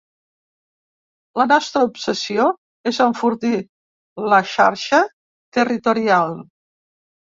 La nostra obsessió és enfortir la xarxa territorial.